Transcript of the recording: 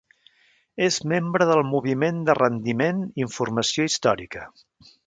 És membre del moviment de rendiment informació històrica.